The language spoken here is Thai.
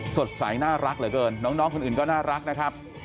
สดใสน่ารักเหลือเกินน้องคนอื่นก็น่ารักนะครับ